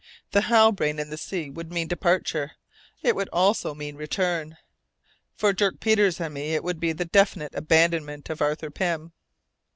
The Halbrane in the sea would mean departure, it would also mean return! For Dirk Peters and me it would be the definite abandonment of Arthur Pym.